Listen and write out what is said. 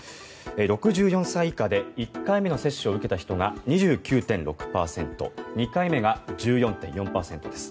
６４歳以下で１回目の接種を受けた人が２９．６％２回目が１４．４％です。